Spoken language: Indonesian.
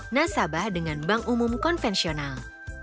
nasabah dengan bank umum konvensional